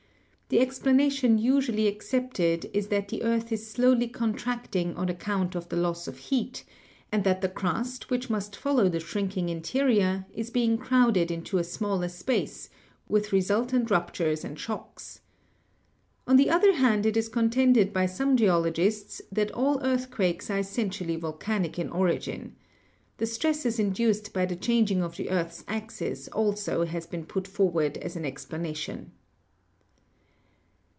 The explanation usually accepted is that the earth is slowly contracting on account of the loss of heat, and that the crust, which must follow the shrinking interior, is being crowded into a smaller space, with resultant ruptures and shocks. On the other hand, it is contended by some geologists that all earth quakes are essentially volcanic in origin. The stresses in duced by the changing of the earth's axis also has been put forward as an explanation.